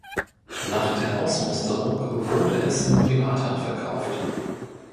Nach der Ausmusterung wurde es in Privathand verkauft.